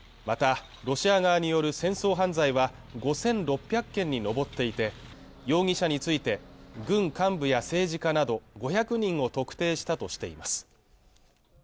またロシア側による戦争犯罪は５６００件に上っていて容疑者について軍幹部や政治家など５００人を特定したとしています